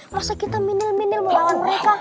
masa kita minil minil melawan mereka